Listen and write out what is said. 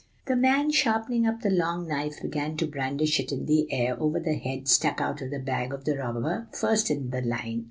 "The man sharpening up the long knife began to brandish it in the air over the head stuck out of the bag of the robber first in the line.